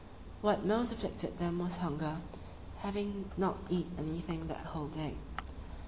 What most afflicted them was hunger, having not eat anything that whole day.